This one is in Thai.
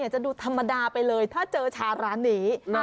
จะดูธรรมดาไปเลยถ้าเจอชาร้านนี้